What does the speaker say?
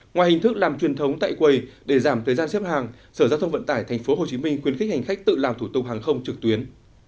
ngoài hình thức làm truyền thống tại quầy để giảm thời gian xếp hàng sở giao thông vận tải tp hcm khuyến khích hành khách tự làm thủ tục hàng không trực tuyến